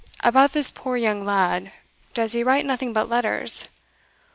About this poor young lad. Does he write nothing but letters?"